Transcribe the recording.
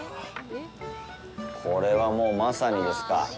これは、もうまさにですか。